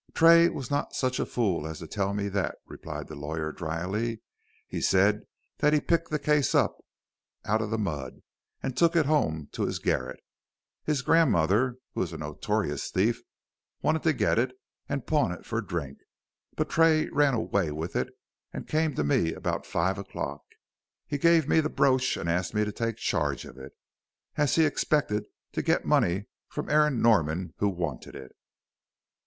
"Tray was not such a fool as to tell me that," replied the lawyer, dryly; "he said that he picked the case up out of the mud, and took it home to his garret. His grandmother, who is a notorious thief, wanted to get it, and pawn it for drink, but Tray ran away with it and came to me about five o'clock. He gave me the brooch and asked me to take charge of it, as he expected to get money for it from Aaron Norman who wanted it."